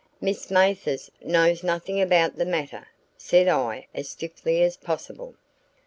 "Miss Mathers knows nothing about the matter," said I as stiffly as possible.